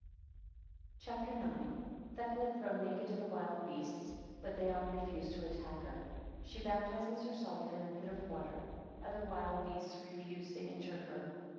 CHAPTER IX. 1 Thecla thrown naked to the wild beasts; 2 but they all refuse to attack her. 8 She baptizes herself in a pit of water. 10 Other wild beasts refuse to injure her.